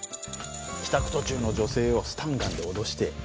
帰宅途中の女性をスタンガンで脅して